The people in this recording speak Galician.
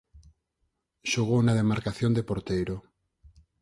Xogou na demarcación de porteiro.